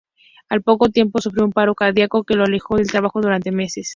Al poco tiempo sufrió un paro cardíaco que lo alejó del trabajo durante meses.